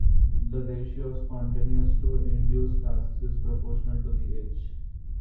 The ratio of spontaneous to induced tracks is proportional to the age.